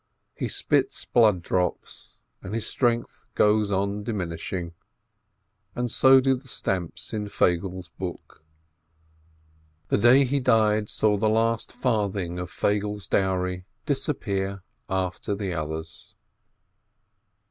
He spits blood drops, and his strength goes on dimin ishing, and so do the stamps in Feigele's book. The day he died saw the last farthing of Feigele's dowry disappear after the others.